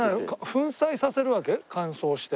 粉砕させるわけ？乾燥して。